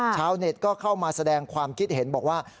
ชาวเน็ตก็เข้ามาแสดงความคิดเห็นบอกว่า